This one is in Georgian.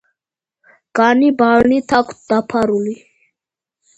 კანი ბალნით აქვთ დაფარული.